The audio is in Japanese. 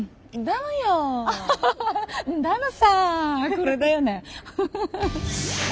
これだよね。